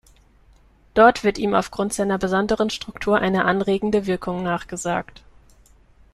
Dort wird ihm aufgrund seiner besonderen Struktur eine anregende Wirkung nachgesagt.